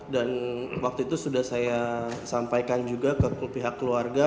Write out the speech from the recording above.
dan waktu itu sudah saya sampaikan juga ke pihak keluarga